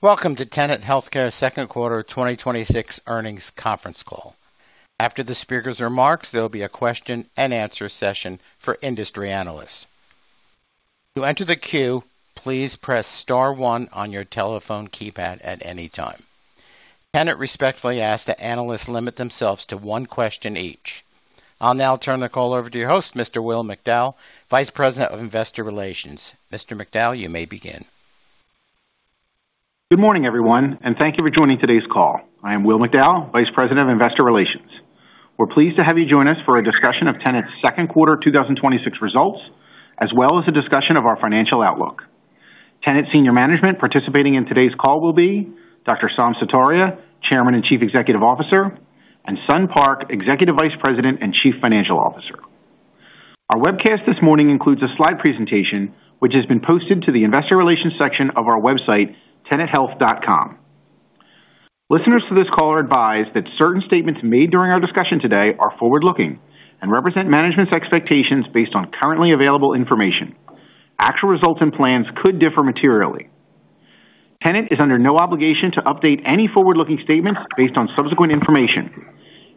Welcome to Tenet Healthcare's second quarter 2026 earnings conference call. After the speaker's remarks, there'll be a question-and-answer session for industry analysts. To enter the queue, please press star one on your telephone keypad at any time. Tenet respectfully ask that analysts limit themselves to one question each. I'll now turn the call over to your host, Mr. Will McDowell, Vice President of Investor Relations. Mr. McDowell, you may begin. Good morning, everyone. Thank you for joining today's call. I am Will McDowell, Vice President of Investor Relations. We're pleased to have you join us for a discussion of Tenet's second quarter 2026 results, as well as a discussion of our financial outlook. Tenet senior management participating in today's call will be Dr. Saum Sutaria, Chairman and Chief Executive Officer, and Sun Park, Executive Vice President and Chief Financial Officer. Our webcast this morning includes a slide presentation which has been posted to the Investor Relations section of our website, tenethealth.com. Listeners to this call are advised that certain statements made during our discussion today are forward-looking and represent management's expectations based on currently available information. Actual results and plans could differ materially. Tenet is under no obligation to update any forward-looking statements based on subsequent information.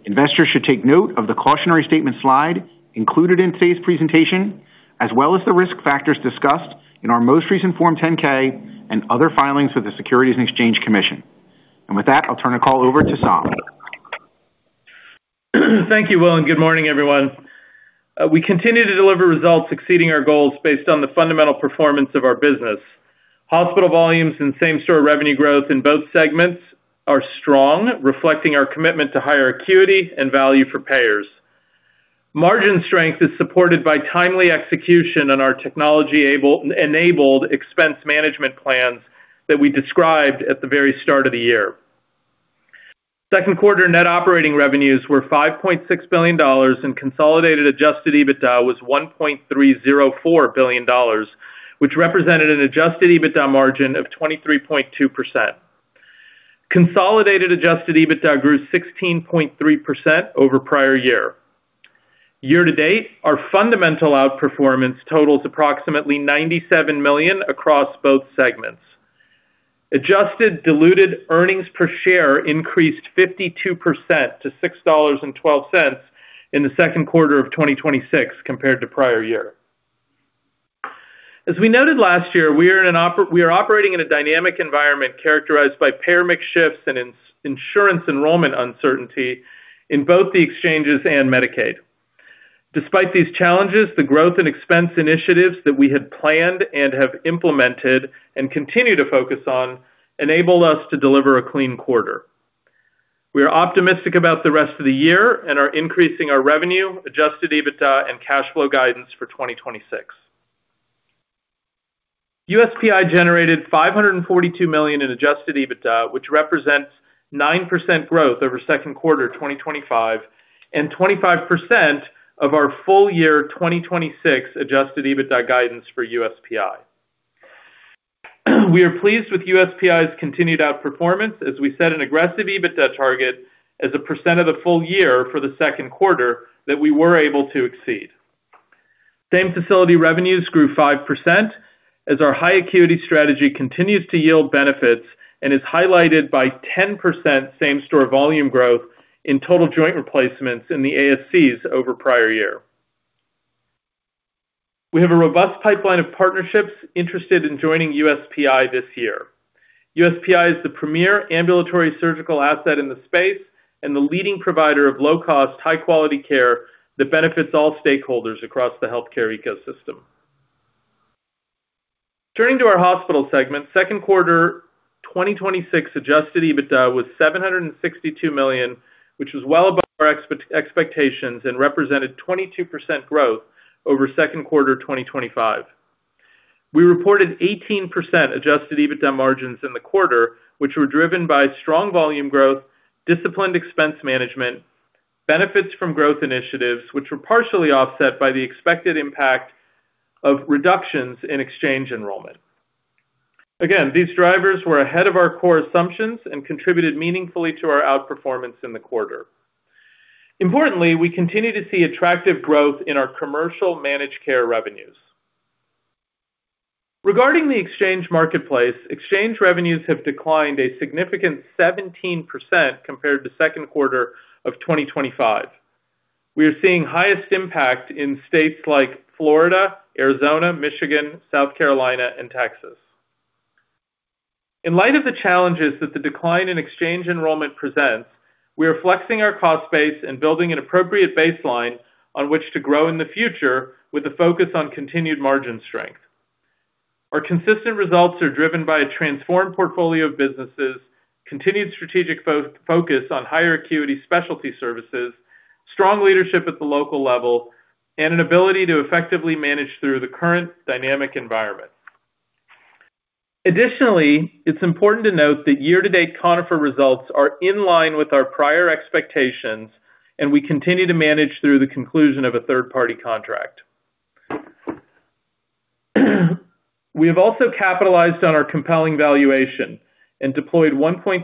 Investors should take note of the cautionary statement slide included in today's presentation, as well as the risk factors discussed in our most recent Form 10-K and other filings with the Securities and Exchange Commission. With that, I'll turn the call over to Saum. Thank you, Will. Good morning, everyone. We continue to deliver results exceeding our goals based on the fundamental performance of our business. Hospital volumes and same-store revenue growth in both segments are strong, reflecting our commitment to higher acuity and value for payers. Margin strength is supported by timely execution on our technology-enabled expense management plans that we described at the very start of the year. Second quarter net operating revenues were $5.6 billion, and consolidated adjusted EBITDA was $1.304 billion, which represented an adjusted EBITDA margin of 23.2%. Consolidated adjusted EBITDA grew 16.3% over prior year. Year-to-date, our fundamental outperformance totals approximately $97 million across both segments. Adjusted diluted earnings per share increased 52% to $6.12 in the second quarter of 2026 compared to prior year. As we noted last year, we are operating in a dynamic environment characterized by payer mix shifts and insurance enrollment uncertainty in both the exchanges and Medicaid. Despite these challenges, the growth and expense initiatives that we had planned and have implemented and continue to focus on enabled us to deliver a clean quarter. We are optimistic about the rest of the year and are increasing our revenue, adjusted EBITDA, and cash flow guidance for 2026. USPI generated $542 million in adjusted EBITDA, which represents 9% growth over second quarter 2025 and 25% of our full-year 2026 adjusted EBITDA guidance for USPI. We are pleased with USPI's continued outperformance, as we set an aggressive EBITDA target as a percent of the full-year for the second quarter that we were able to exceed. Same-facility revenues grew 5%, as our high acuity strategy continues to yield benefits and is highlighted by 10% same-store volume growth in total joint replacements in the ASCs over prior year. We have a robust pipeline of partnerships interested in joining USPI this year. USPI is the premier ambulatory surgical asset in the space and the leading provider of low-cost, high-quality care that benefits all stakeholders across the healthcare ecosystem. Turning to our hospital segment, second quarter 2026 adjusted EBITDA was $762 million, which was well above our expectations and represented 22% growth over second quarter 2025. We reported 18% adjusted EBITDA margins in the quarter, which were driven by strong volume growth, disciplined expense management, benefits from growth initiatives, which were partially offset by the expected impact of reductions in exchange enrollment. These drivers were ahead of our core assumptions and contributed meaningfully to our outperformance in the quarter. Importantly, we continue to see attractive growth in our commercial managed care revenues. Regarding the exchange marketplace, exchange revenues have declined a significant 17% compared to second quarter of 2025. We are seeing highest impact in states like Florida, Arizona, Michigan, South Carolina, and Texas. In light of the challenges that the decline in exchange enrollment presents, we are flexing our cost base and building an appropriate baseline on which to grow in the future with a focus on continued margin strength. Our consistent results are driven by a transformed portfolio of businesses, continued strategic focus on higher acuity specialty services, strong leadership at the local level, and an ability to effectively manage through the current dynamic environment. It's important to note that year-to-date Conifer results are in line with our prior expectations, and we continue to manage through the conclusion of a third-party contract. We have also capitalized on our compelling valuation and deployed $1.36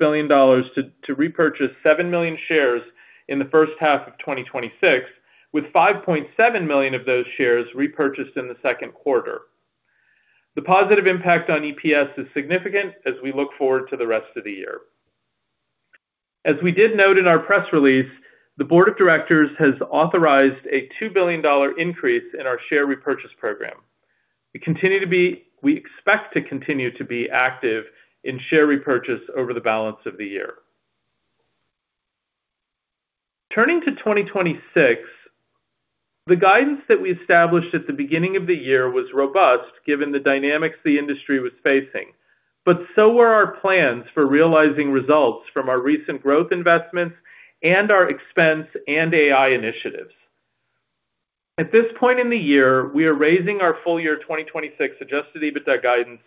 billion to repurchase 7 million shares in the first half of 2026 with 5.7 million of those shares repurchased in the second quarter. The positive impact on EPS is significant as we look forward to the rest of the year. As we did note in our press release, the Board of Directors has authorized a $2 billion increase in our share repurchase program. We expect to continue to be active in share repurchase over the balance of the year. Turning to 2026, the guidance that we established at the beginning of the year was robust, given the dynamics the industry was facing, but so were our plans for realizing results from our recent growth investments and our expense and AI initiatives. At this point in the year, we are raising our full-year 2026 adjusted EBITDA guidance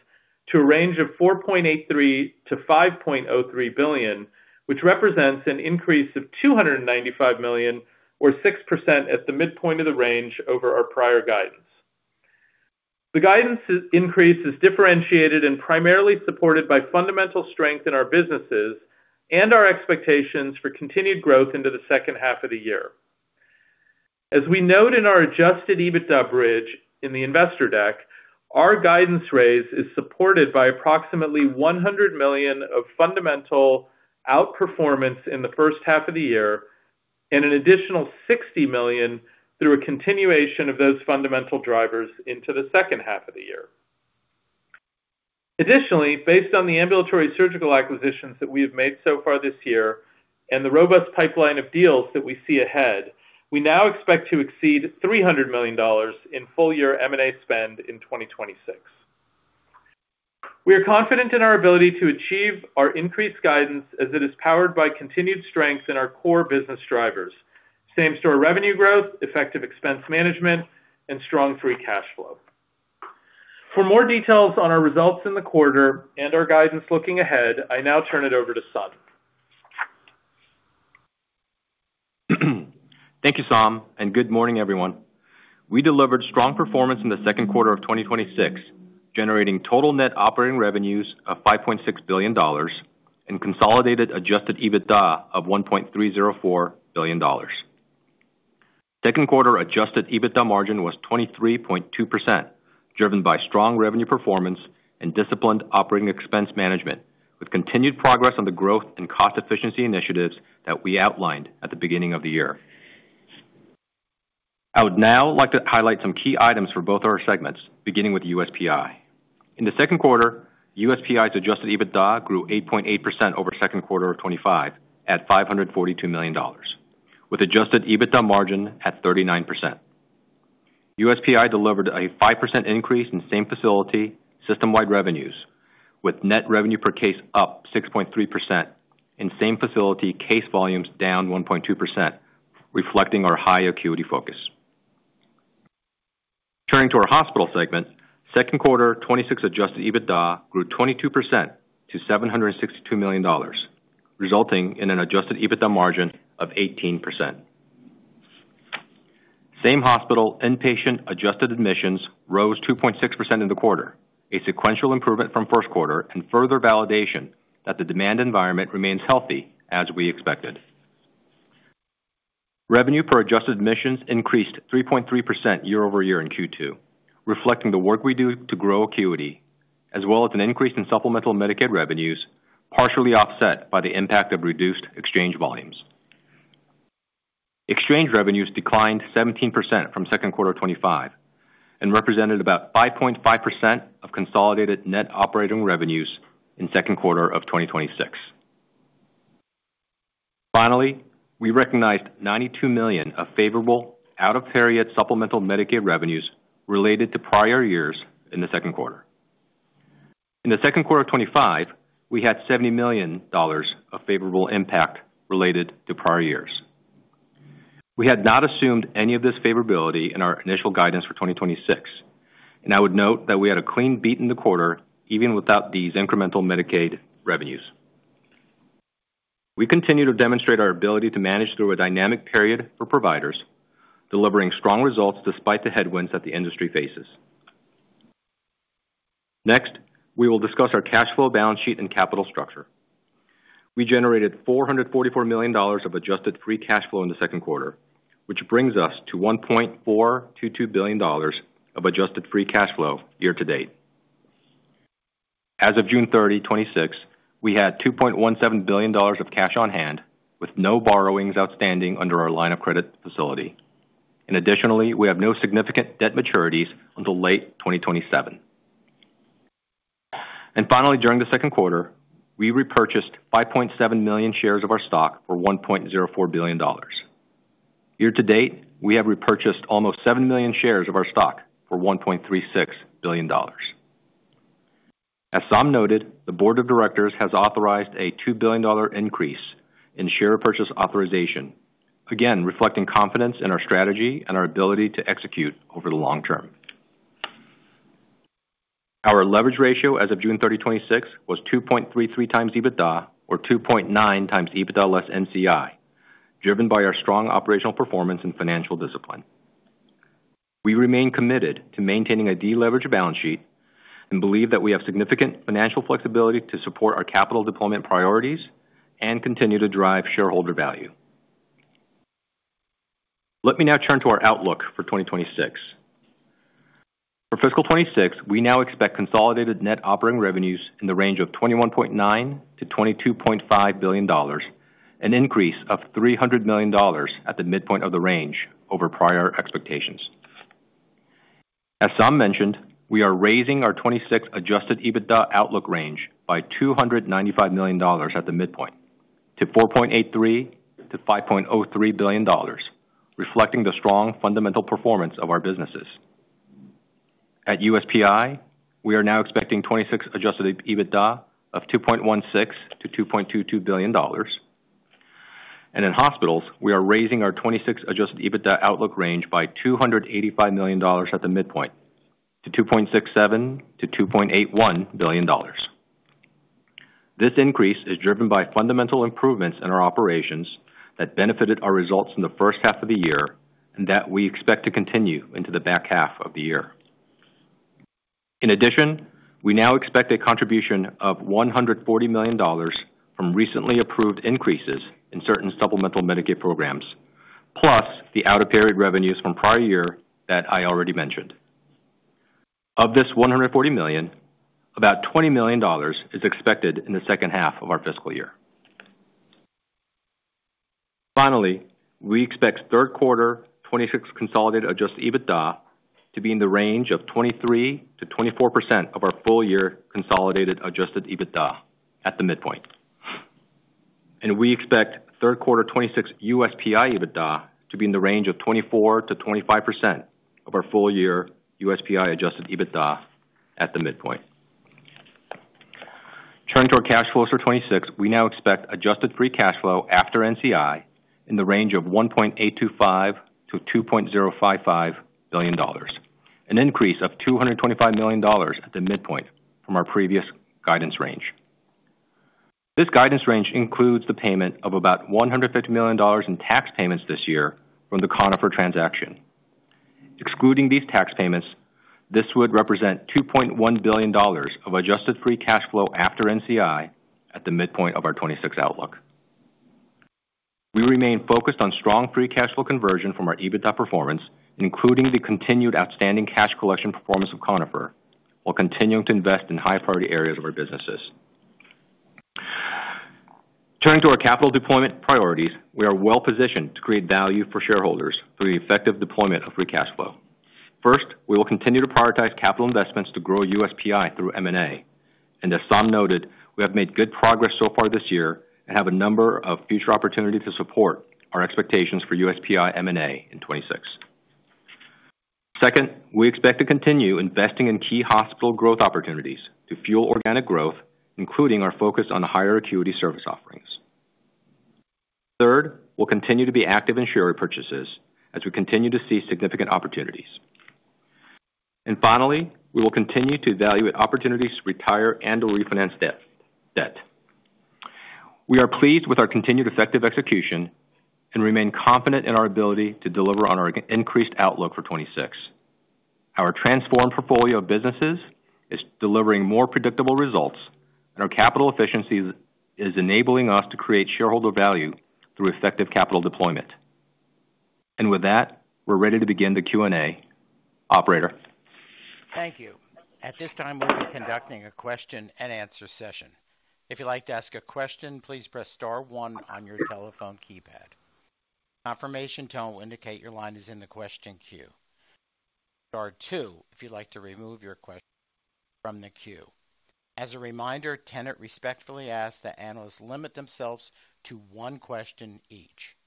to a range of $4.83 billion-$5.03 billion, which represents an increase of $295 million or 6% at the midpoint of the range over our prior guidance. The guidance increase is differentiated and primarily supported by fundamental strength in our businesses and our expectations for continued growth into the second half of the year. As we note in our adjusted EBITDA bridge in the Investor deck, our guidance raise is supported by approximately $100 million of fundamental outperformance in the first half of the year and an additional $60 million through a continuation of those fundamental drivers into the second half of the year. Additionally, based on the ambulatory surgical acquisitions that we have made so far this year and the robust pipeline of deals that we see ahead, we now expect to exceed $300 million in full year M&A spend in 2026. We are confident in our ability to achieve our increased guidance as it is powered by continued strengths in our core business drivers, same-store revenue growth, effective expense management, and strong free cash flow. For more details on our results in the quarter and our guidance looking ahead, I now turn it over to Sun. Thank you, Saum, and good morning, everyone. We delivered strong performance in the second quarter of 2026, generating total net operating revenues of $5.6 billion and consolidated adjusted EBITDA of $1.304 billion. Second quarter adjusted EBITDA margin was 23.2%, driven by strong revenue performance and disciplined operating expense management, with continued progress on the growth and cost efficiency initiatives that we outlined at the beginning of the year. I would now like to highlight some key items for both our segments, beginning with USPI. In the second quarter, USPI's adjusted EBITDA grew 8.8% over second quarter of 2025 at $542 million, with adjusted EBITDA margin at 39%. USPI delivered a 5% increase in same facility system-wide revenues, with net revenue per case up 6.3% and same facility case volumes down 1.2%, reflecting our high acuity focus. Turning to our hospital segment, second quarter 2026 adjusted EBITDA grew 22% to $762 million, resulting in an adjusted EBITDA margin of 18%. Same hospital inpatient adjusted admissions rose 2.6% in the quarter, a sequential improvement from first quarter and further validation that the demand environment remains healthy as we expected. Revenue per adjusted admissions increased 3.3% year-over-year in Q2, reflecting the work we do to grow acuity, as well as an increase in supplemental Medicaid revenues, partially offset by the impact of reduced exchange volumes. Exchange revenues declined 17% from second quarter 2025 and represented about 5.5% of consolidated net operating revenues in second quarter of 2026. Finally, we recognized $92 million of favorable out-of-period supplemental Medicaid revenues related to prior years in the second quarter. In the second quarter of 2025, we had $70 million of favorable impact related to prior years. We had not assumed any of this favorability in our initial guidance for 2026. I would note that we had a clean beat in the quarter even without these incremental Medicaid revenues. We continue to demonstrate our ability to manage through a dynamic period for providers, delivering strong results despite the headwinds that the industry faces. We will discuss our cash flow, balance sheet and capital structure. We generated $444 million of adjusted free cash flow in the second quarter, which brings us to $1.422 billion of adjusted free cash flow year-to-date. As of June 30, 2026, we had $2.17 billion of cash on hand with no borrowings outstanding under our line of credit facility. Additionally, we have no significant debt maturities until late 2027. Finally, during the second quarter, we repurchased 5.7 million shares of our stock for $1.04 billion. Year-to-date, we have repurchased almost 7 million shares of our stock for $1.36 billion. As Saum noted, the Board of Directors has authorized a $2 billion increase in share purchase authorization, again, reflecting confidence in our strategy and our ability to execute over the long term. Our leverage ratio as of June 30, 2026, was 2.33x EBITDA, or 2.9x EBITDA less NCI, driven by our strong operational performance and financial discipline. We remain committed to maintaining a deleveraged balance sheet and believe that we have significant financial flexibility to support our capital deployment priorities and continue to drive shareholder value. Let me now turn to our outlook for 2026. For fiscal 2026, we now expect consolidated net operating revenues in the range of $21.9 billion-$22.5 billion, an increase of $300 million at the midpoint of the range over prior expectations. As Saum mentioned, we are raising our 2026 adjusted EBITDA outlook range by $295 million at the midpoint to $4.83 billion-$5.03 billion, reflecting the strong fundamental performance of our businesses. At USPI, we are now expecting 2026 adjusted EBITDA of $2.16 billion-$2.22 billion. In hospitals, we are raising our 2026 adjusted EBITDA outlook range by $285 million at the midpoint to $2.67 billion-$2.81 billion. This increase is driven by fundamental improvements in our operations that benefited our results in the first half of the year, and that we expect to continue into the back half of the year. In addition, we now expect a contribution of $140 million from recently approved increases in certain supplemental Medicaid programs, plus the out-of-period revenues from prior year that I already mentioned. Of this $140 million, about $20 million is expected in the second half of our fiscal year. Finally, we expect third quarter 2026 consolidated adjusted EBITDA to be in the range of 23%-24% of our full-year consolidated adjusted EBITDA at the midpoint. We expect third quarter 2026 USPI EBITDA to be in the range of 24%-25% of our full-year USPI adjusted EBITDA at the midpoint. Turning to our cash flows for 2026, we now expect adjusted free cash flow after NCI in the range of $1.825 billion-$2.055 billion, an increase of $225 million at the midpoint from our previous guidance range. This guidance range includes the payment of about $150 million in tax payments this year from the Conifer transaction. Excluding these tax payments, this would represent $2.1 billion of adjusted free cash flow after NCI at the midpoint of our 2026 outlook. We remain focused on strong free cash flow conversion from our EBITDA performance, including the continued outstanding cash collection performance of Conifer, while continuing to invest in high-priority areas of our businesses. Turning to our capital deployment priorities, we are well-positioned to create value for shareholders through the effective deployment of free cash flow. First, we will continue to prioritize capital investments to grow USPI through M&A. As Saum noted, we have made good progress so far this year and have a number of future opportunities to support our expectations for USPI M&A in 2026. Second, we expect to continue investing in key hospital growth opportunities to fuel organic growth, including our focus on the higher acuity service offerings. Third, we'll continue to be active in share repurchases as we continue to see significant opportunities. Finally, we will continue to evaluate opportunities to retire and/or refinance debt. We are pleased with our continued effective execution and remain confident in our ability to deliver on our increased outlook for 2026. Our transformed portfolio of businesses is delivering more predictable results, and our capital efficiency is enabling us to create shareholder value through effective capital deployment. With that, we're ready to begin the Q&A. Operator? Thank you. At this time, we'll be conducting a question-and-answer session. If you'd like to ask a question, please press star one on your telephone keypad. Confirmation tone will indicate your line is in the question queue. Star two, if you'd like to remove your question from the queue. As a reminder, Tenet respectfully asks that analysts limit themselves to one question each.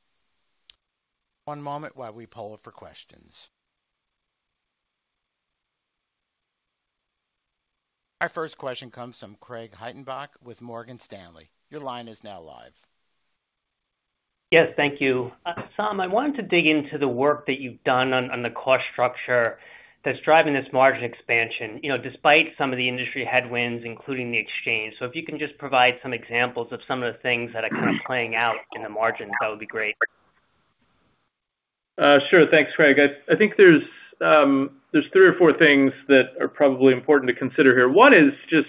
One moment while we poll for questions. Our first question comes from Craig Hettenbach with Morgan Stanley. Your line is now live. Yes, thank you. Saum, I wanted to dig into the work that you've done on the cost structure that's driving this margin expansion, despite some of the industry headwinds, including the exchange. If you can just provide some examples of some of the things that are kind of playing out in the margins, that would be great. Sure. Thanks, Craig. I think there's three or four things that are probably important to consider here. One is just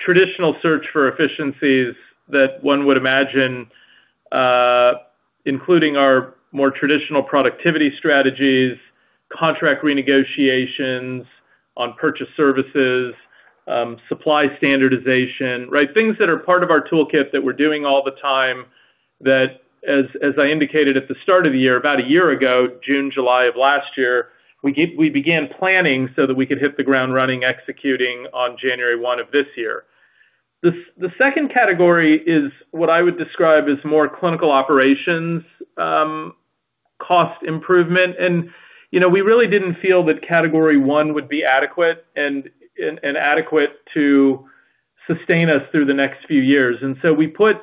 traditional search for efficiencies that one would imagine, including our more traditional productivity strategies, contract renegotiations on purchase services, supply standardization, right? Things that are part of our toolkit that we're doing all the time, that, as I indicated at the start of the year, about a year ago, June, July of last year, we began planning so that we could hit the ground running, executing on January 1 of this year. The second category is what I would describe as more clinical operations, cost improvement, we really didn't feel that category one would be adequate to sustain us through the next few years. We put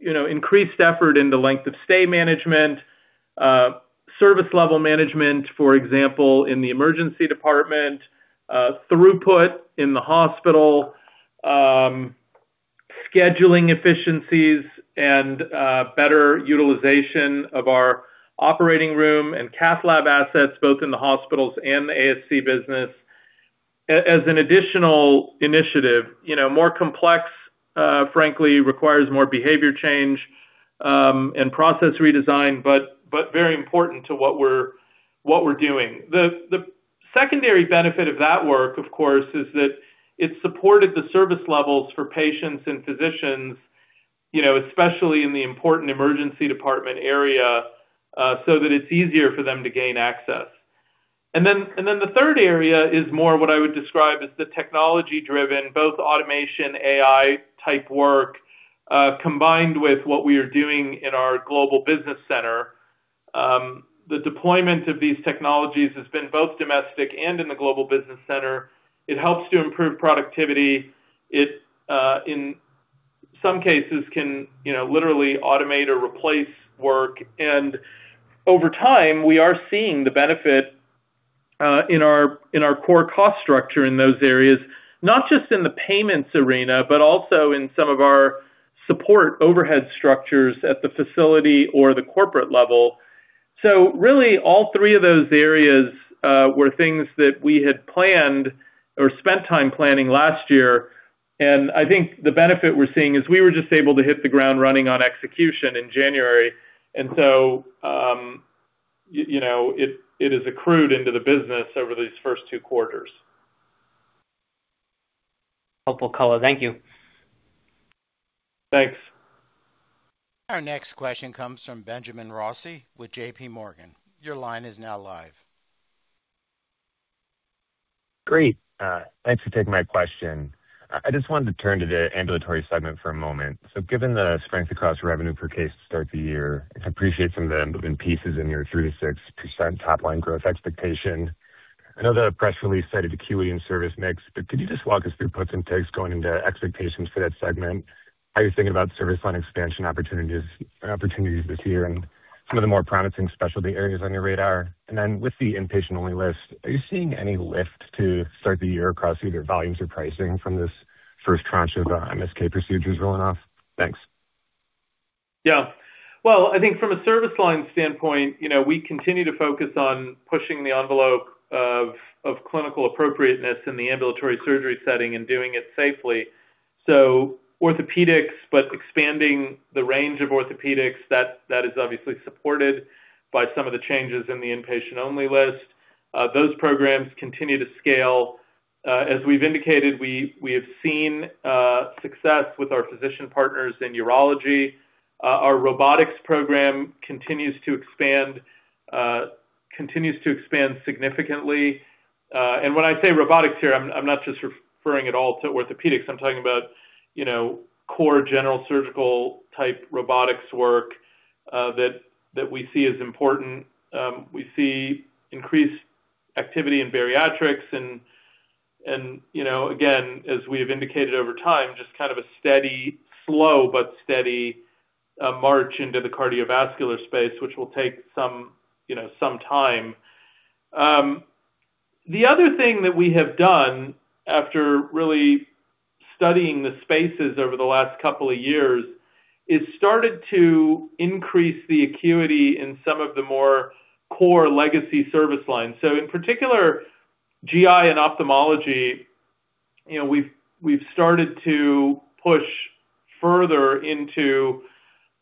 increased effort into length of stay management, service level management, for example, in the emergency department, throughput in the hospital. Scheduling efficiencies and better utilization of our operating room and cath lab assets, both in the hospitals and the ASC business, as an additional initiative. More complex, frankly, requires more behavior change and process redesign, but very important to what we're doing. The secondary benefit of that work, of course, is that it supported the service levels for patients and physicians, especially in the important emergency department area, so that it's easier for them to gain access. The third area is more what I would describe as the technology-driven, both automation, AI-type work, combined with what we are doing in our global business center. The deployment of these technologies has been both domestic and in the global business center. It helps to improve productivity. It, in some cases, can literally automate or replace work. Over time, we are seeing the benefit in our core cost structure in those areas, not just in the payments arena, but also in some of our support overhead structures at the facility or the corporate level. Really, all three of those areas were things that we had planned or spent time planning last year. I think the benefit we're seeing is we were just able to hit the ground running on execution in January. It has accrued into the business over these first two quarters. Helpful color. Thank you. Thanks. Our next question comes from Benjamin Rossi with JPMorgan. Your line is now live. Great. Thanks for taking my question. I just wanted to turn to the ambulatory segment for a moment. Given the strength across revenue per case to start the year, I appreciate some of the moving pieces in your 3%-6% top-line growth expectation. I know the press release cited acuity and service mix, could you just walk us through puts and takes going into expectations for that segment? How are you thinking about service line expansion opportunities this year and some of the more promising specialty areas on your radar? With the inpatient-only list, are you seeing any lift to start the year across either volumes or pricing from this first tranche of MSK procedures rolling off? Thanks. I think from a service line standpoint, we continue to focus on pushing the envelope of clinical appropriateness in the ambulatory surgery setting and doing it safely. Orthopedics, but expanding the range of orthopedics, that is obviously supported by some of the changes in the inpatient-only list. Those programs continue to scale. As we've indicated, we have seen success with our physician partners in urology. Our robotics program continues to expand significantly. When I say robotics here, I'm not just referring at all to orthopedics. I'm talking about core general surgical-type robotics work that we see as important. We see increased activity in bariatrics, as we have indicated over time, just kind of a steady, slow but steady march into the cardiovascular space, which will take some time. The other thing that we have done after really studying the spaces over the last couple of years is started to increase the acuity in some of the more core legacy service lines. In particular, GI and ophthalmology, we've started to push further into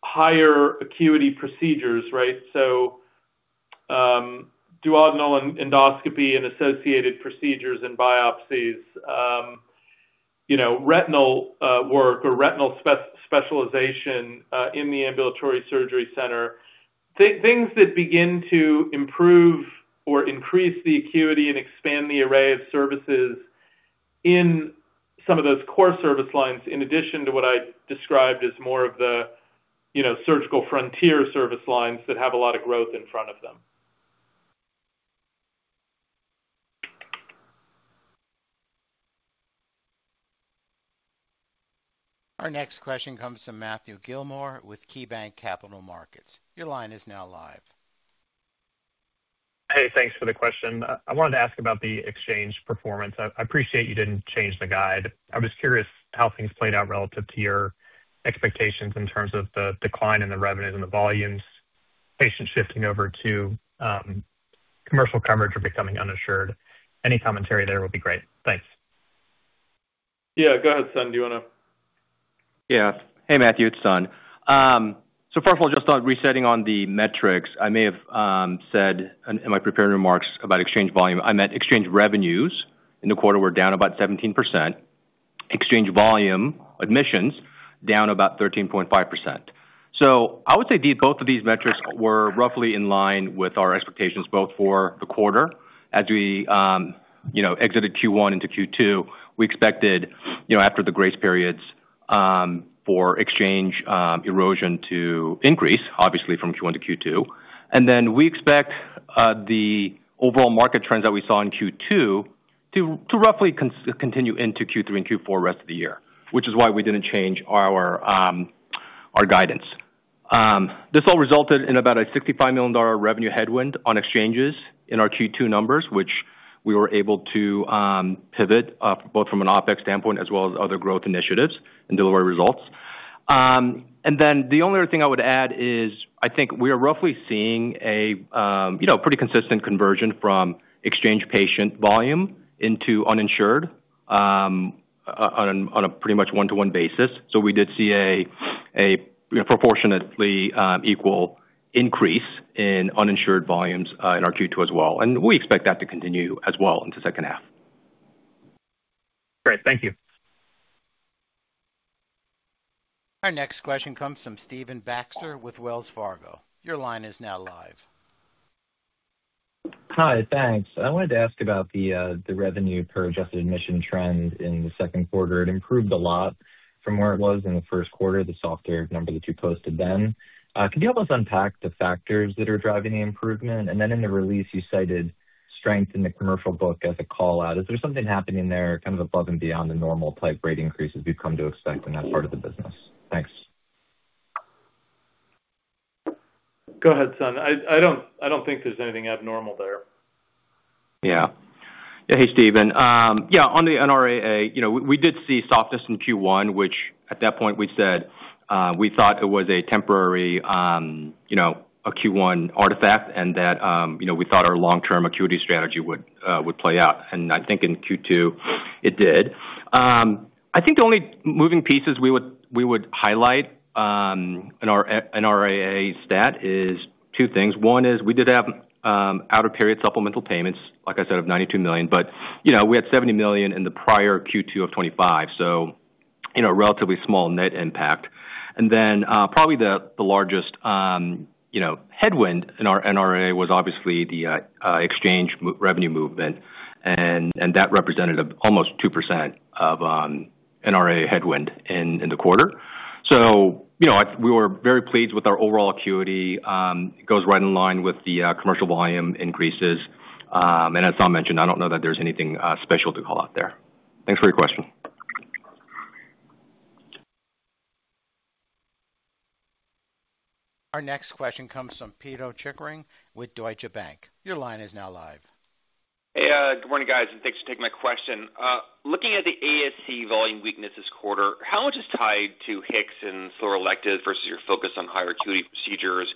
higher acuity procedures, right? Duodenal endoscopy and associated procedures and biopsies, retinal work or retinal specialization in the ambulatory surgery center. Things that begin to improve or increase the acuity and expand the array of services in some of those core service lines, in addition to what I described as more of the surgical frontier service lines that have a lot of growth in front of them. Our next question comes from Matthew Gillmor with KeyBanc Capital Markets. Your line is now live. Hey, thanks for the question. I wanted to ask about the exchange performance. I appreciate you didn't change the guide. I was curious how things played out relative to your expectations in terms of the decline in the revenues and the volumes, patients shifting over to commercial coverage or becoming uninsured. Any commentary there will be great. Thanks. Yeah, go ahead, Sun. Do you want to- Hey, Matthew, it's Sun. First of all, just on resetting on the metrics, I may have said in my prepared remarks about exchange volume, I meant exchange revenues in the quarter were down about 17%. Exchange volume admissions down about 13.5%. I would say both of these metrics were roughly in line with our expectations, both for the quarter. As we exited Q1 into Q2, we expected, after the grace periods, for exchange erosion to increase, obviously from Q1 to Q2. We expect the overall market trends that we saw in Q2 to roughly continue into Q3 and Q4 rest of the year, which is why we didn't change our guidance. This all resulted in about a $65 million revenue headwind on exchanges in our Q2 numbers, which we were able to pivot, both from an OpEx standpoint as well as other growth initiatives and deliver results. The only other thing I would add is, I think we are roughly seeing a pretty consistent conversion from exchange patient volume into uninsured on a pretty much one-to-one basis. We did see a proportionately equal increase in uninsured volumes in our Q2 as well, and we expect that to continue as well into second half. Great. Thank you. Our next question comes from Stephen Baxter with Wells Fargo. Your line is now live. Hi. Thanks. I wanted to ask about the revenue per adjusted admission trend in the second quarter. It improved a lot from where it was in the first quarter, the softer number that you posted then. Can you help us unpack the factors that are driving the improvement? In the release, you cited strength in the commercial book as a call-out. Is there something happening there above and beyond the normal price rate increases we've come to expect in that part of the business? Thanks. Go ahead, Sun. I don't think there's anything abnormal there. Hey, Stephen. On the NRAA, we did see softness in Q1, which at that point we said we thought it was a temporary Q1 artifact and that we thought our long-term acuity strategy would play out. I think in Q2 it did. I think the only moving pieces we would highlight in our NRAA stat is two things. One is we did have out-of-period supplemental payments, like I said, of $92 million, but we had $70 million in the prior Q2 of 2025, so relatively small net impact. Probably the largest headwind in our NRAA was obviously the exchange revenue movement, and that represented almost 2% of NRAA headwind in the quarter. We were very pleased with our overall acuity. It goes right in line with the commercial volume increases. As Saum mentioned, I don't know that there's anything special to call out there. Thanks for your question. Our next question comes from Pito Chickering with Deutsche Bank. Your line is now live. Good morning, guys, and thanks for taking my question. Looking at the ASC volume weakness this quarter, how much is tied to HIX and slower elective versus your focus on higher acuity procedures?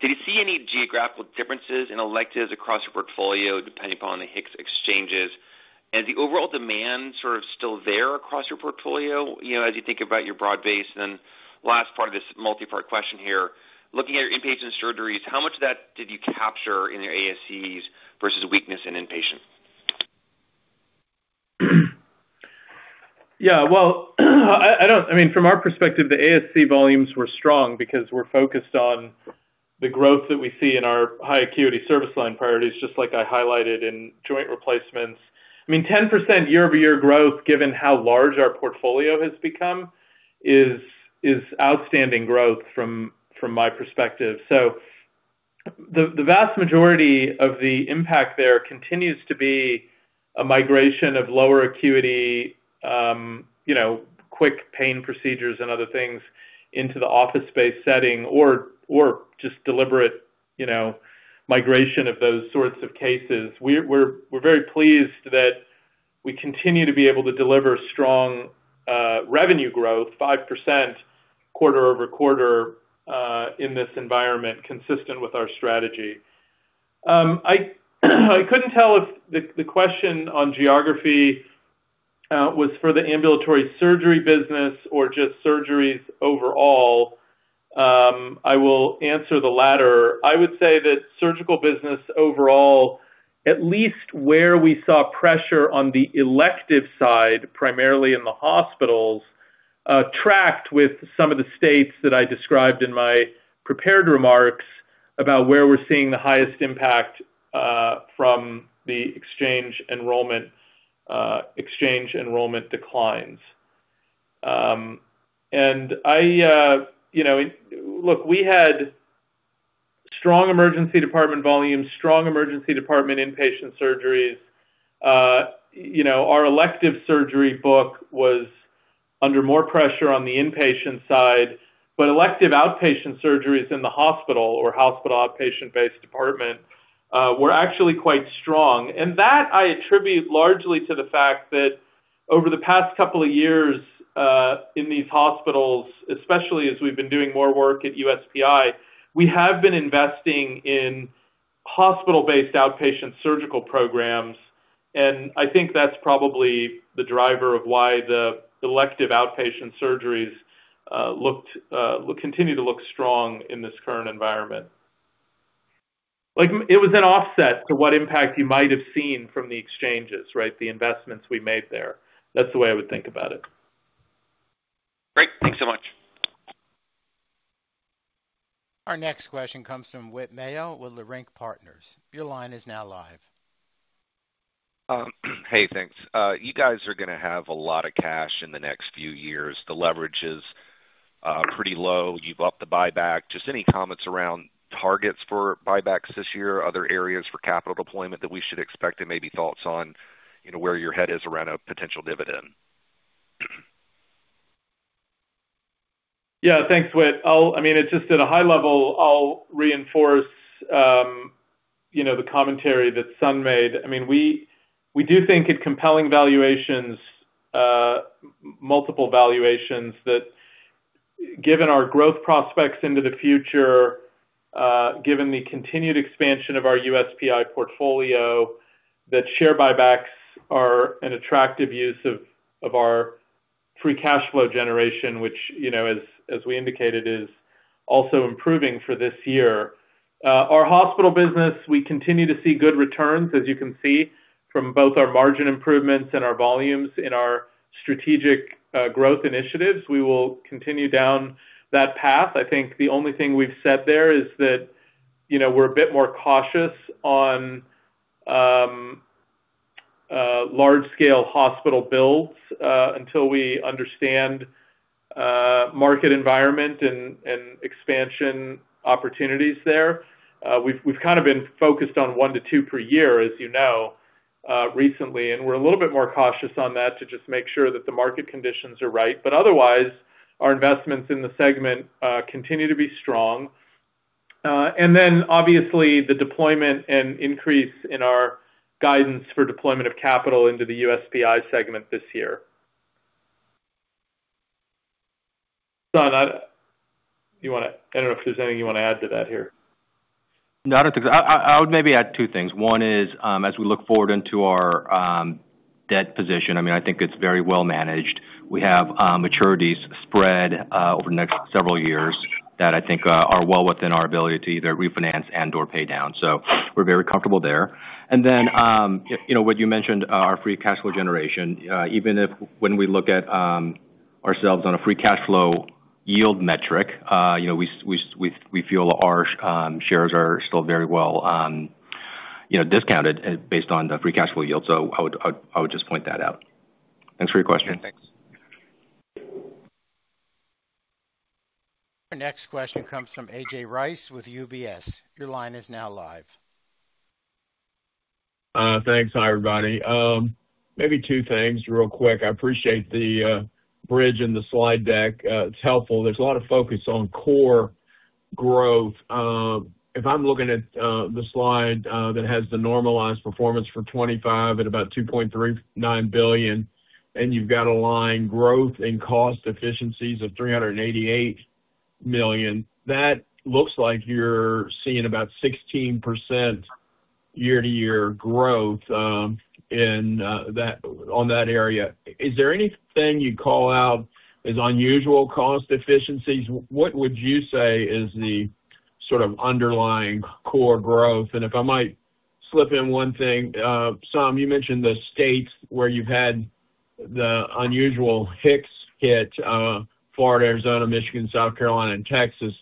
Did you see any geographical differences in electives across your portfolio depending upon the HIX exchanges? The overall demand sort of still there across your portfolio, as you think about your broad base? Last part of this multi-part question here, looking at your inpatient surgeries, how much of that did you capture in your ASCs versus weakness in inpatient? Well, from our perspective, the ASC volumes were strong because we're focused on the growth that we see in our high acuity service line priorities, just like I highlighted in joint replacements. 10% year-over-year growth, given how large our portfolio has become, is outstanding growth from my perspective. The vast majority of the impact there continues to be a migration of lower acuity, quick pain procedures and other things into the office space setting or just deliberate migration of those sorts of cases. We're very pleased that we continue to be able to deliver strong revenue growth, 5% quarter-over-quarter, in this environment, consistent with our strategy. I couldn't tell if the question on geography was for the ambulatory surgery business or just surgeries overall. I will answer the latter. I would say that surgical business overall, at least where we saw pressure on the elective side, primarily in the hospitals, tracked with some of the states that I described in my prepared remarks about where we're seeing the highest impact from the exchange enrollment declines. Look, we had strong emergency department volume, strong emergency department inpatient surgeries. Our elective surgery book was under more pressure on the inpatient side, but elective outpatient surgeries in the hospital or hospital outpatient-based department were actually quite strong. That I attribute largely to the fact that over the past couple of years in these hospitals, especially as we've been doing more work at USPI, we have been investing in hospital-based outpatient surgical programs, and I think that's probably the driver of why the elective outpatient surgeries continue to look strong in this current environment. It was an offset to what impact you might have seen from the exchanges, right? The investments we made there. That's the way I would think about it. Great. Thanks so much. Our next question comes from Whit Mayo with Leerink Partners. Your line is now live. Hey, thanks. You guys are going to have a lot of cash in the next few years. The leverage is pretty low. You've upped the buyback. Just any comments around targets for buybacks this year, other areas for capital deployment that we should expect, and maybe thoughts on where your head is around a potential dividend? Yeah, thanks, Whit. It's just at a high level, I'll reinforce the commentary that Sun made. We do think at compelling valuations, multiple valuations that given our growth prospects into the future, given the continued expansion of our USPI portfolio, that share buybacks are an attractive use of our free cash flow generation, which, as we indicated, is also improving for this year. Our hospital business, we continue to see good returns, as you can see, from both our margin improvements and our volumes in our strategic growth initiatives. We will continue down that path. I think the only thing we've said there is that, we're a bit more cautious on large-scale hospital builds until we understand market environment and expansion opportunities there. We've kind of been focused on one to two per year, as you know, recently, and we're a little bit more cautious on that to just make sure that the market conditions are right. Otherwise, our investments in the segment continue to be strong. Obviously, the deployment and increase in our guidance for deployment of capital into the USPI segment this year. Sun, I don't know if there's anything you want to add to that here. No, I don't think so. I would maybe add two things. One is, as we look forward into our debt position, I think it's very well managed. We have maturities spread over the next several years that I think are well within our ability to either refinance and/or pay down. We're very comfortable there. Whit, you mentioned our free cash flow generation. Even if when we look at ourselves on a free cash flow yield metric, we feel our shares are still very well discounted based on the free cash flow yield. I would just point that out. Thanks for your question. Yeah, thanks. Our next question comes from A.J. Rice with UBS. Your line is now live. Thanks. Hi, everybody. Maybe two things real quick. I appreciate the bridge and the slide deck. It's helpful. There's a lot of focus on core growth. If I'm looking at the slide that has the normalized performance for 2025 at about $2.39 billion, you've got a line growth and cost efficiencies of $388 million, that looks like you're seeing about 16% year-to-year growth on that area. Is there anything you'd call out as unusual cost efficiencies? What would you say is the sort of underlying core growth? If I might slip in one thing, Saum, you mentioned the states where you've had the unusual hits hit, Florida, Arizona, Michigan, South Carolina, and Texas.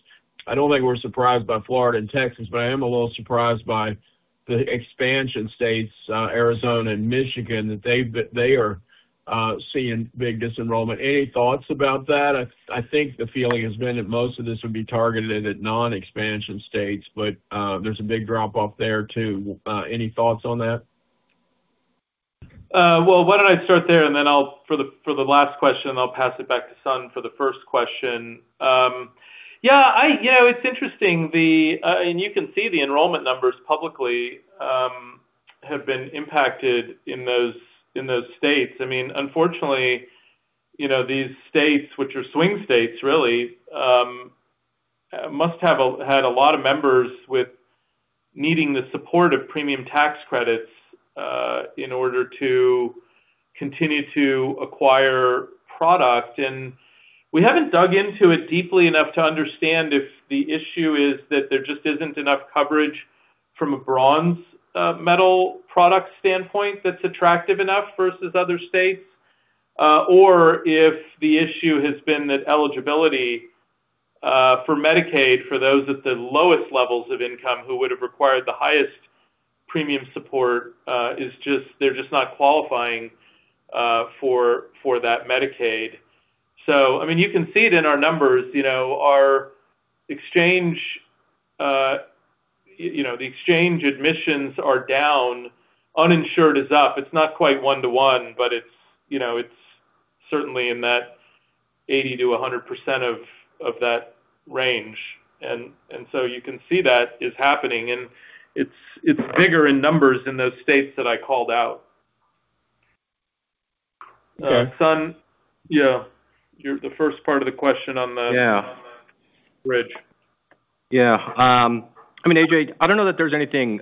I don't think we're surprised by Florida and Texas, but I am a little surprised by the expansion states, Arizona and Michigan, that they are seeing big disenrollment. Any thoughts about that? I think the feeling has been that most of this would be targeted at non-expansion states, there's a big drop-off there, too. Any thoughts on that? Well, why don't I start there, then for the last question, I'll pass it back to Sun for the first question. Yeah, it's interesting. You can see the enrollment numbers publicly have been impacted in those states. Unfortunately, these states, which are swing states really, must have had a lot of members with needing the support of premium tax credits in order to continue to acquire product. We haven't dug into it deeply enough to understand if the issue is that there just isn't enough coverage from a bronze metal product standpoint that's attractive enough versus other states, or if the issue has been that eligibility for Medicaid for those at the lowest levels of income who would have required the highest premium support, they're just not qualifying for that Medicaid. You can see it in our numbers, the exchange admissions are down, uninsured is up. It's not quite one-to-one, but it's certainly in that 80%-100% of that range. You can see that is happening, and it's bigger in numbers in those states that I called out. Okay. Sun? Yeah. The first part of the question on the- Yeah bridge. Yeah. A.J., I don't know that there's anything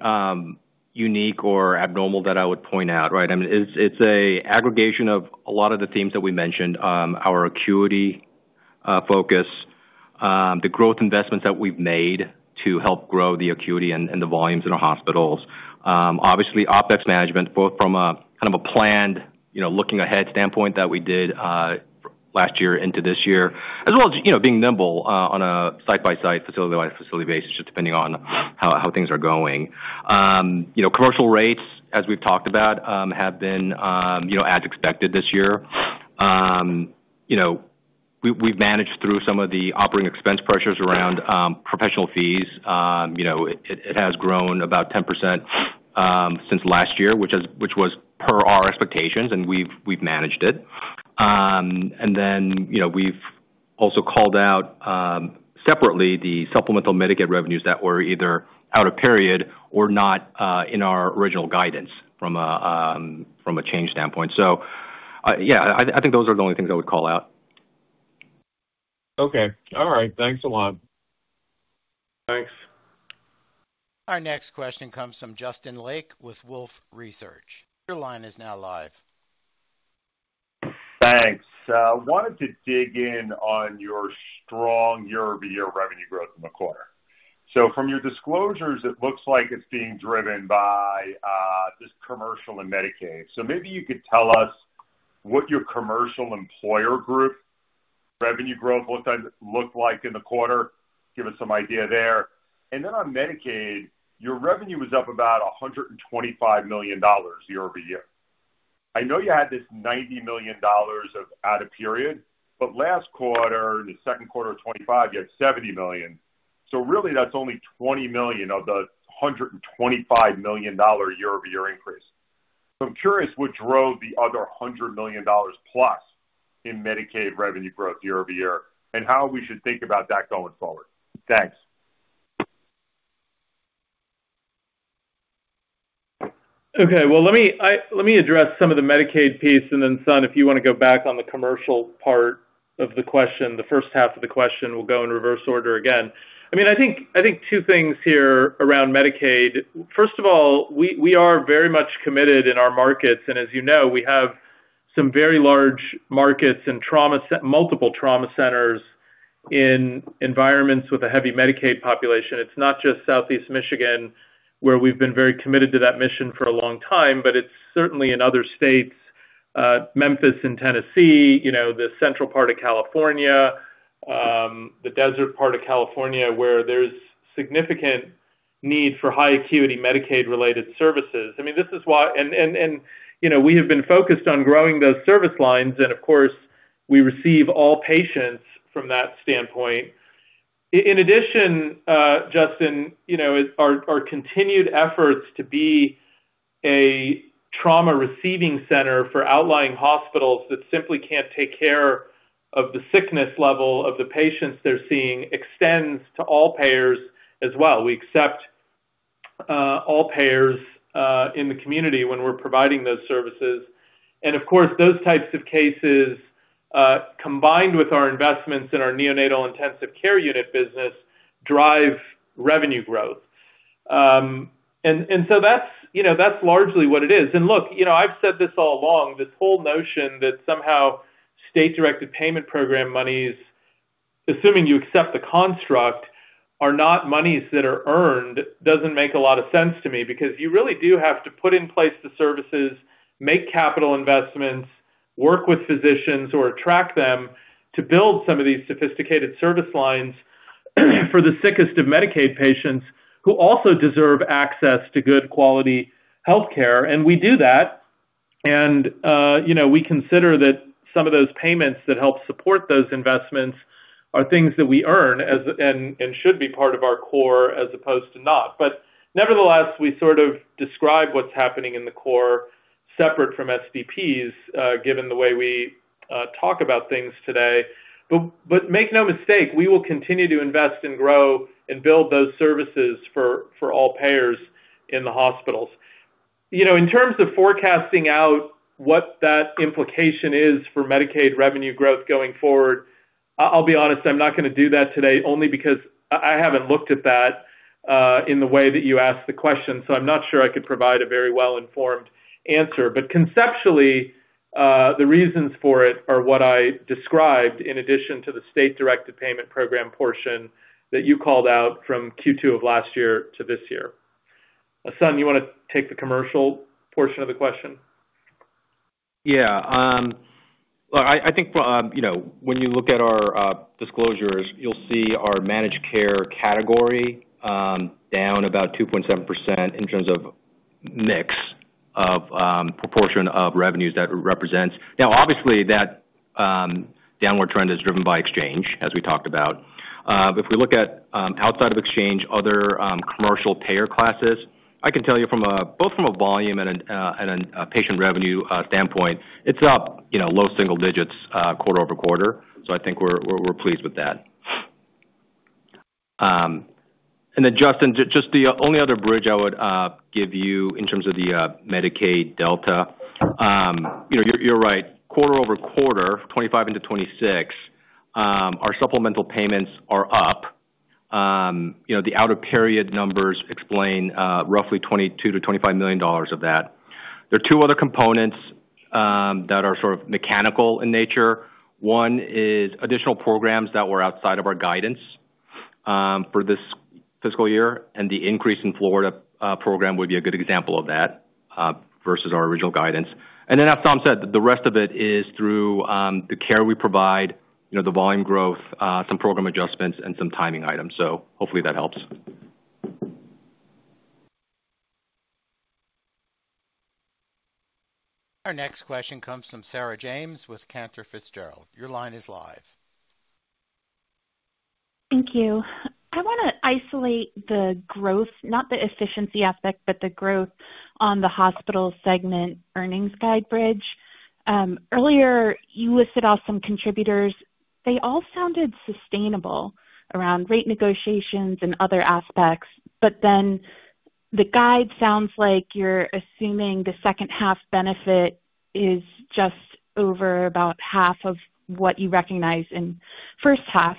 unique or abnormal that I would point out, right? It's a aggregation of a lot of the themes that we mentioned, our acuity focus, the growth investments that we've made to help grow the acuity and the volumes in our hospitals. Obviously, OpEx management, both from a kind of a planned, looking ahead standpoint that we did last year into this year. As well as being nimble on a site-by-site, facility-by-facility basis, just depending on how things are going. Commercial rates, as we've talked about, have been as expected this year. We've managed through some of the operating expense pressures around professional fees. It has grown about 10% since last year, which was per our expectations, and we've managed it. We've also called out separately the supplemental Medicaid revenues that were either out of period or not in our original guidance from a change standpoint. Yeah, I think those are the only things I would call out. Okay. All right, thanks a lot. Thanks. Our next question comes from Justin Lake with Wolfe Research. Your line is now live. Thanks. I wanted to dig in on your strong year-over-year revenue growth in the quarter. From your disclosures, it looks like it's being driven by just commercial and Medicaid. Maybe you could tell us what your commercial employer group revenue growth looked like in the quarter, give us some idea there. On Medicaid, your revenue was up about $125 million year-over-year. I know you had this $90 million of out-of-period, but last quarter, the second quarter of 2025, you had $70 million. Really that's only $20 million of the $125 million year-over-year increase. I'm curious what drove the other $100 million-plus in Medicaid revenue growth year-over-year, and how we should think about that going forward. Thanks. Okay. Let me address some of the Medicaid piece, and then, Sun, if you want to go back on the commercial part of the question, the first half of the question. We'll go in reverse order again. I think two things here around Medicaid. First of all, we are very much committed in our markets, and as you know, we have some very large markets and multiple trauma centers in environments with a heavy Medicaid population. It's not just Southeast Michigan, where we've been very committed to that mission for a long time, but it's certainly in other states, Memphis and Tennessee, the central part of California, the desert part of California, where there's significant need for high-acuity Medicaid-related services. We have been focused on growing those service lines, and of course, we receive all patients from that standpoint. In addition, Justin, our continued efforts to be a trauma receiving center for outlying hospitals that simply can't take care of the sickness level of the patients they're seeing extends to all payers as well. We accept all payers in the community when we're providing those services. Of course, those types of cases, combined with our investments in our neonatal intensive care unit business, drive revenue growth. That's largely what it is. Look, I've said this all along, this whole notion that somehow state-directed payment program monies, assuming you accept the construct, are not monies that are earned, doesn't make a lot of sense to me because you really do have to put in place the services, make capital investments, work with physicians or attract them to build some of these sophisticated service lines for the sickest of Medicaid patients who also deserve access to good quality healthcare. We do that, and we consider that some of those payments that help support those investments are things that we earn and should be part of our core as opposed to not. Nevertheless, we sort of describe what's happening in the core separate from SDPs, given the way we talk about things today. Make no mistake, we will continue to invest and grow and build those services for all payers in the hospitals. In terms of forecasting out what that implication is for Medicaid revenue growth going forward, I'll be honest, I'm not going to do that today, only because I haven't looked at that in the way that you asked the question, so I'm not sure I could provide a very well-informed answer. Conceptually, the reasons for it are what I described, in addition to the state-directed payment program portion that you called out from Q2 of last year to this year. Sun, you want to take the commercial portion of the question? Yeah. I think when you look at our disclosures, you'll see our managed care category down about 2.7% in terms of mix of proportion of revenues that represents. Obviously, that downward trend is driven by exchange, as we talked about. If we look at outside of exchange, other commercial payer classes, I can tell you both from a volume and a patient revenue standpoint, it's up low-single digits quarter-over-quarter. I think we're pleased with that. Justin, just the only other bridge I would give you in terms of the Medicaid delta. You're right. Quarter-over-quarter, 2025 into 2026, our supplemental payments are up. The out-of-period numbers explain roughly $22 million-$25 million of that. There are two other components that are sort of mechanical in nature. One is additional programs that were outside of our guidance for this fiscal year, and the increase in Florida program would be a good example of that versus our original guidance. As Saum said, the rest of it is through the care we provide, the volume growth, some program adjustments, and some timing items. Hopefully that helps. Our next question comes from Sarah James with Cantor Fitzgerald. Your line is live. Thank you. I want to isolate the growth, not the efficiency aspect, but the growth on the hospital segment earnings guide bridge. Earlier, you listed off some contributors. They all sounded sustainable around rate negotiations and other aspects, the guide sounds like you're assuming the second half benefit is just over about half of what you recognize in first half,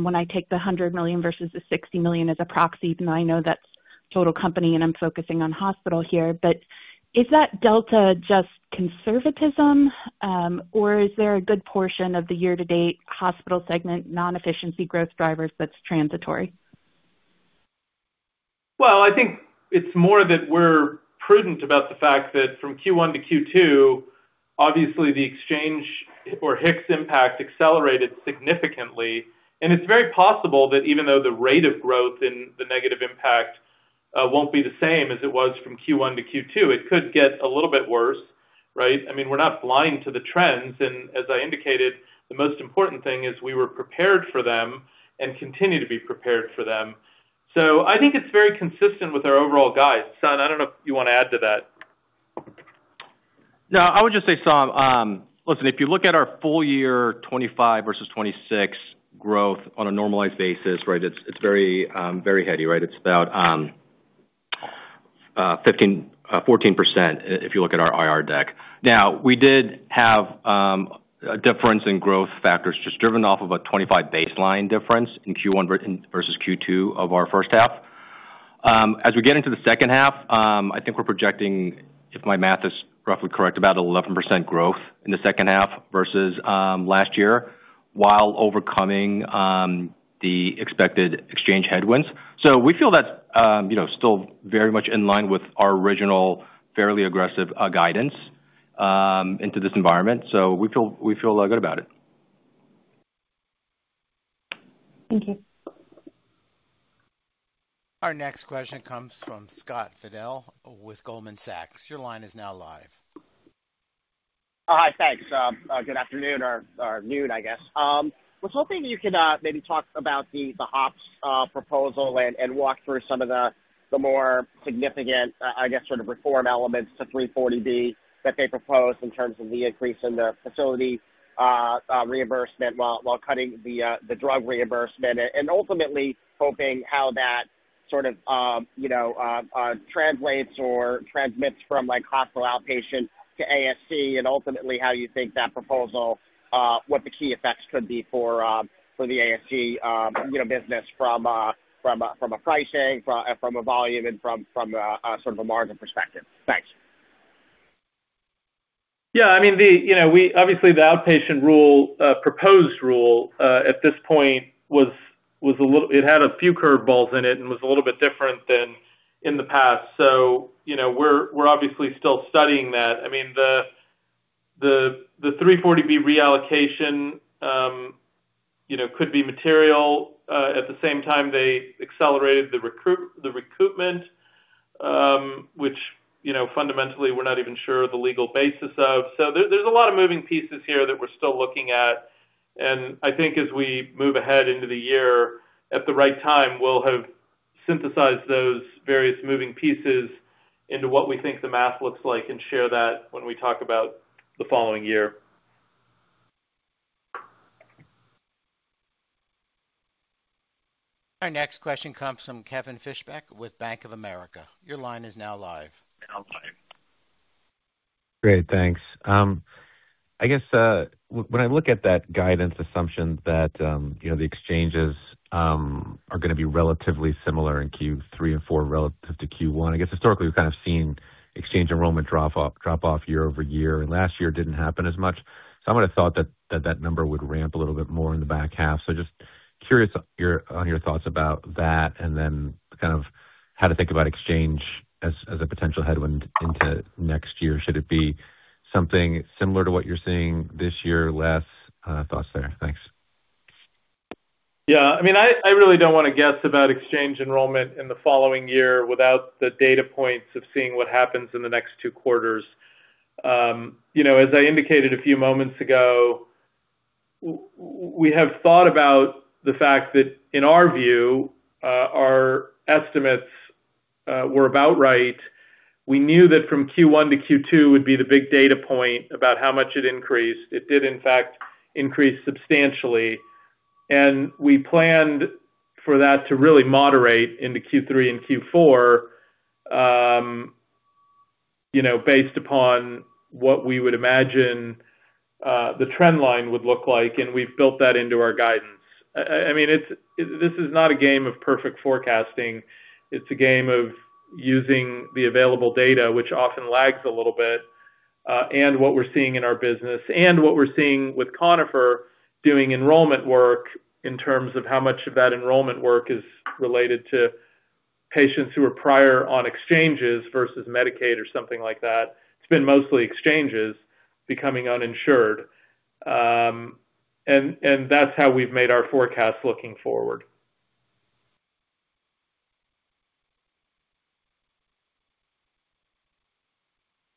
when I take the $100 million versus the $60 million as a proxy, even though I know that's total company and I'm focusing on hospital here. Is that delta just conservatism, or is there a good portion of the year-to-date hospital segment non-efficiency growth drivers that's transitory? I think it's more that we're prudent about the fact that from Q1 to Q2, obviously, the exchange or HIX impact accelerated significantly. It's very possible that even though the rate of growth in the negative impact won't be the same as it was from Q1 to Q2, it could get a little bit worse, right? We're not blind to the trends, and as I indicated, the most important thing is we were prepared for them and continue to be prepared for them. I think it's very consistent with our overall guide. Sun, I don't know if you want to add to that. I would just say, Saum, listen, if you look at our full-year 2025 versus 2026 growth on a normalized basis, it's very heady. It's about 14%, if you look at our IR deck. We did have a difference in growth factors just driven off of a 2025 baseline difference in Q1 versus Q2 of our first half. As we get into the second half, I think we're projecting, if my math is roughly correct, about 11% growth in the second half versus last year, while overcoming the expected exchange headwinds. We feel that's still very much in line with our original, fairly aggressive guidance into this environment. We feel all good about it. Thank you. Our next question comes from Scott Fidel with Goldman Sachs. Your line is now live. Hi, thanks. Good afternoon or noon, I guess. I was hoping you could maybe talk about the HOPPS proposal and walk through some of the more significant, I guess, sort of reform elements to 340B that they proposed in terms of the increase in the facility reimbursement, while cutting the drug reimbursement. Ultimately, I was hoping how that sort of translates or transmits from hospital outpatient to ASC and ultimately how you think that proposal, what the key effects could be for the ASC business from a pricing, from a volume, and from a sort of a margin perspective. Thanks. Yeah. Obviously, the outpatient proposed rule, at this point, it had a few curveballs in it and was a little bit different than in the past. We're obviously still studying that. The 340B reallocation could be material. At the same time, they accelerated the recruitment, which fundamentally we're not even sure the legal basis of. There's a lot of moving pieces here that we're still looking at, and I think as we move ahead into the year, at the right time, we'll have synthesized those various moving pieces into what we think the math looks like and share that when we talk about the following year. Our next question comes from Kevin Fischbeck with Bank of America. Your line is now live. Great. Thanks. I guess, when I look at that guidance assumption that the exchanges are going to be relatively similar in Q3 and Q4 relative to Q1, I guess historically, we've kind of seen exchange enrollment drop off year-over-year, and last year it didn't happen as much. I would've thought that that number would ramp a little bit more in the back half. Just curious on your thoughts about that and then kind of how to think about exchange as a potential headwind into next year. Should it be something similar to what you're seeing this year, less? Thoughts there. Thanks. Yeah. I really don't want to guess about exchange enrollment in the following year without the data points of seeing what happens in the next two quarters. As I indicated a few moments ago, we have thought about the fact that, in our view, our estimates were about right. We knew that from Q1 to Q2 would be the big data point about how much it increased. It did in fact increase substantially, and we planned for that to really moderate into Q3 and Q4, based upon what we would imagine the trend line would look like, and we've built that into our guidance. This is not a game of perfect forecasting. It's a game of using the available data, which often lags a little bit, and what we're seeing in our business and what we're seeing with Conifer doing enrollment work in terms of how much of that enrollment work is related to patients who are prior on exchanges versus Medicaid or something like that. It's been mostly exchanges becoming uninsured. That's how we've made our forecast looking forward.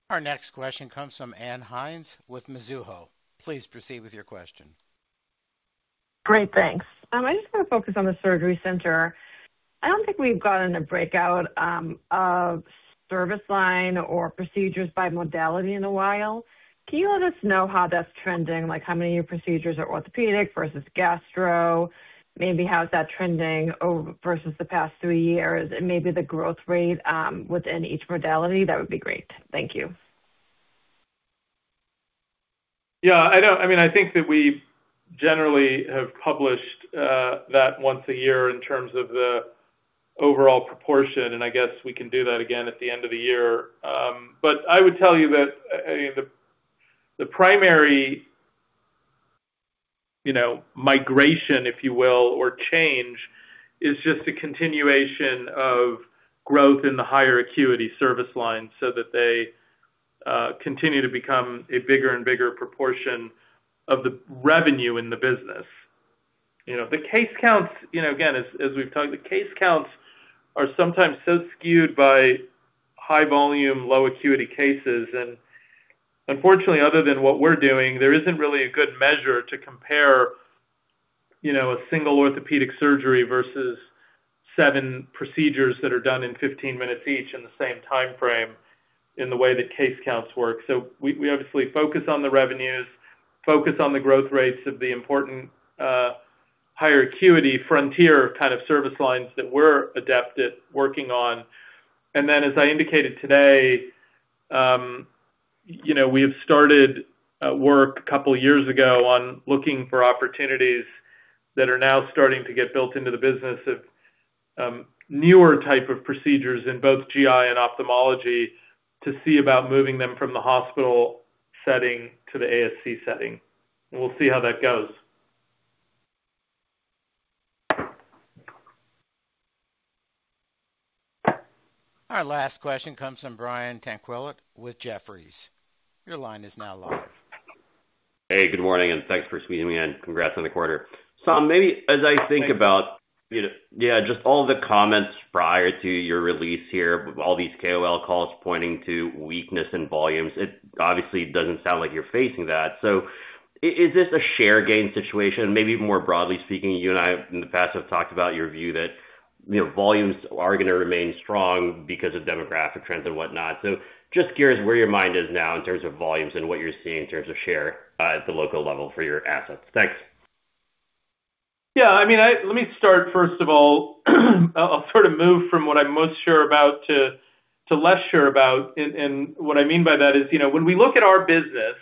Our next question comes from Ann Hynes with Mizuho. Please proceed with your question. Great, thanks. I just want to focus on the surgery center. I don't think we've gotten a breakout of service line or procedures by modality in a while. Can you let us know how that's trending? Like how many of your procedures are orthopedic versus gastro? Maybe how is that trending versus the past three years and maybe the growth rate within each modality? That would be great. Thank you. Yeah, I think that we generally have published that once a year in terms of the overall proportion, I guess we can do that again at the end of the year. I would tell you that the primary migration, if you will, or change, is just a continuation of growth in the higher acuity service lines so that they continue to become a bigger and bigger proportion of the revenue in the business. The case counts, again, as we've talked, the case counts are sometimes so skewed by high volume, low acuity cases, and unfortunately, other than what we're doing, there isn't really a good measure to compare a single orthopedic surgery versus seven procedures that are done in 15 minutes each in the same timeframe in the way that case counts work. We obviously focus on the revenues, focus on the growth rates of the important higher acuity frontier kind of service lines that we're adept at working on. As I indicated today, we have started work a couple of years ago on looking for opportunities that are now starting to get built into the business of newer type of procedures in both GI and ophthalmology to see about moving them from the hospital setting to the ASC setting. We'll see how that goes. Our last question comes from Brian Tanquilut with Jefferies. Your line is now live. Hey, good morning, and thanks for squeezing me in. Congrats on the quarter. Saum, maybe. Thanks. Yeah, just all the comments prior to your release here, all these KOL calls pointing to weakness in volumes. It obviously doesn't sound like you're facing that. Is this a share gain situation? Maybe more broadly speaking, you and I in the past have talked about your view that volumes are going to remain strong because of demographic trends and whatnot. Just curious where your mind is now in terms of volumes and what you're seeing in terms of share at the local level for your assets. Thanks. Let me start, first of all, I'll sort of move from what I'm most sure about to less sure about. What I mean by that is when we look at our business,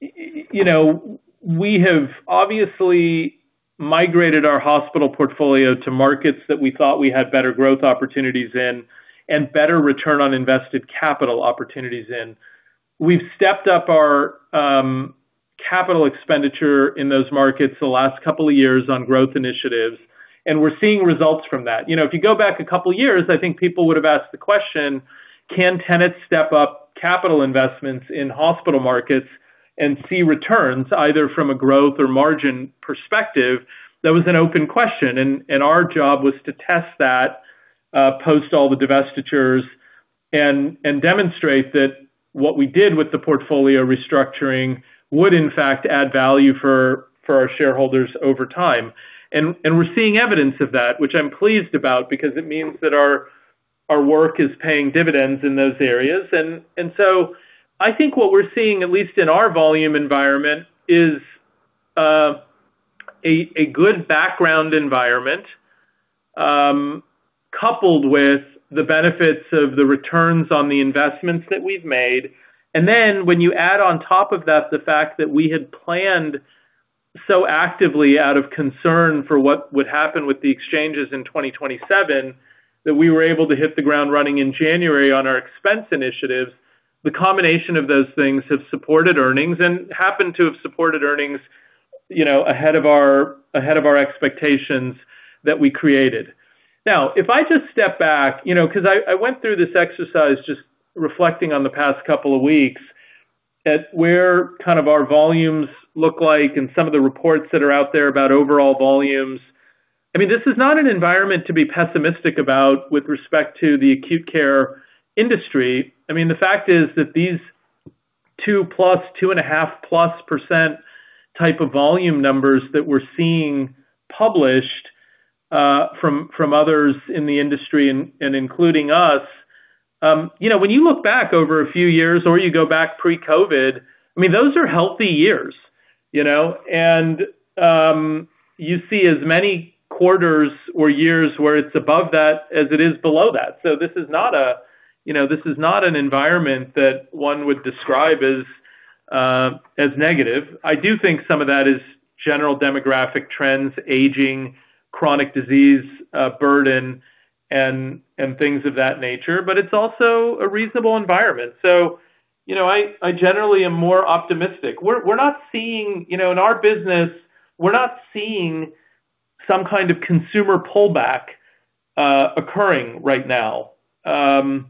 we have obviously migrated our hospital portfolio to markets that we thought we had better growth opportunities in and better return on invested capital opportunities in. We've stepped up our capital expenditure in those markets the last couple of years on growth initiatives, and we're seeing results from that. If you go back a couple of years, I think people would have asked the question: Can Tenet step up capital investments in hospital markets and see returns either from a growth or margin perspective? That was an open question, and our job was to test that post all the divestitures and demonstrate that what we did with the portfolio restructuring would in fact add value for our shareholders over time. We're seeing evidence of that, which I'm pleased about because it means that our work is paying dividends in those areas. I think what we're seeing, at least in our volume environment, is a good background environment coupled with the benefits of the returns on the investments that we've made, and then when you add on top of that the fact that we had planned so actively out of concern for what would happen with the exchanges in 2027, that we were able to hit the ground running in January on our expense initiatives. The combination of those things have supported earnings and happened to have supported earnings ahead of our expectations that we created. Now, if I just step back, because I went through this exercise just reflecting on the past couple of weeks, at where our volumes look like and some of the reports that are out there about overall volumes. This is not an environment to be pessimistic about with respect to the acute care industry. The fact is that these 2+%, 2.5+% type of volume numbers that we're seeing published from others in the industry and including us, when you look back over a few years or you go back pre-COVID, those are healthy years. You see as many quarters or years where it's above that as it is below that. This is not an environment that one would describe as negative. I do think some of that is general demographic trends, aging, chronic disease burden, and things of that nature. It's also a reasonable environment. I generally am more optimistic. In our business, we're not seeing some kind of consumer pullback occurring right now. Where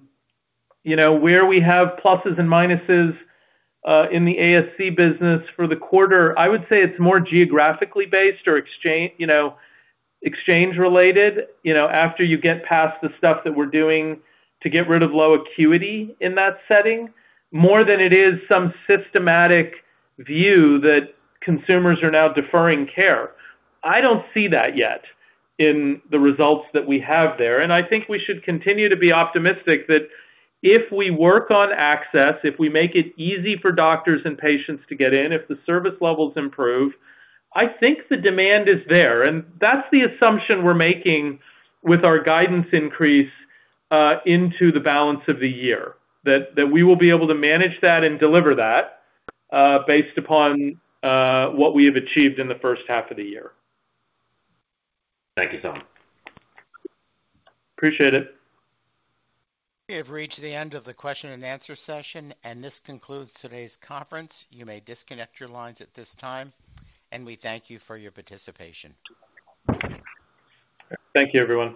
we have pluses and minuses in the ASC business for the quarter, I would say it's more geographically based or exchange related after you get past the stuff that we're doing to get rid of low acuity in that setting, more than it is some systematic view that consumers are now deferring care. I don't see that yet in the results that we have there. I think we should continue to be optimistic that if we work on access, if we make it easy for doctors and patients to get in, if the service levels improve, I think the demand is there. That's the assumption we're making with our guidance increase into the balance of the year, that we will be able to manage that and deliver that based upon what we have achieved in the first half of the year. Thank you, Saum. Appreciate it. We have reached the end of the question-and-answer session. This concludes today's conference. You may disconnect your lines at this time. We thank you for your participation. Thank you, everyone.